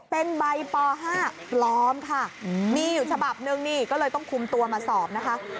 เป็นใบป๕ปลอมค่ะมีอยู่ฉบับนึงนี่ก็เลยต้องคุมตัวมาสอบนะคะ